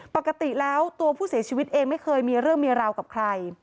ปกติแล้วตัวผู้เสียชีวิตเองไม่เคยมีเรื่องมีราวกับใคร